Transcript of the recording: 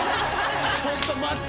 「ちょっと待って！」